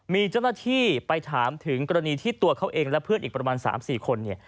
มีเจ้าหน้าที่ไปถามถึงกรณีที่ตัวเขาเองและเพื่อนอีกประมาณ๓๔คนเนี่ย